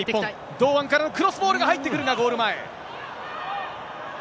堂安からのクロスボールが入ってくるが、ゴール前。